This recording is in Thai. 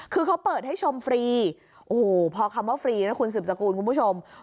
คือเขาเปิดให้ชมฟรีโอ้โหพอคำว่าฟรีนะคุณสืบสกุลคุณผู้ชม